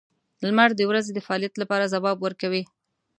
• لمر د ورځې د فعالیت لپاره ځواب ورکوي.